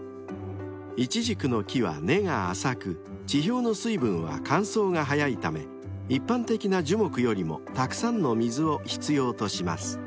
［イチジクの木は根が浅く地表の水分は乾燥が早いため一般的な樹木よりもたくさんの水を必要とします］